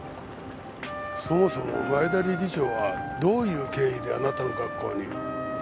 そもそも前田理事長はどういう経緯であなたの学校に？